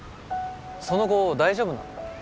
その後大丈夫なの？